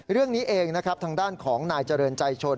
เรื่องนี้เองทางด้านของนเจริญใจโชน